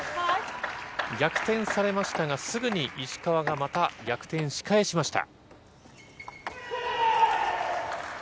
逆転されましたがすぐに石川がまた逆転し返しました。